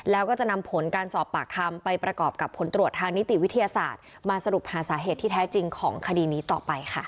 แล้วก็จะนำผลการสอบปากคำไปประกอบกับผลตรวจทางนิติวิทยาศาสตร์มาสรุปหาสาเหตุที่แท้จริงของคดีนี้ต่อไปค่ะ